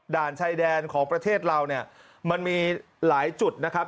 ชายแดนของประเทศเราเนี่ยมันมีหลายจุดนะครับ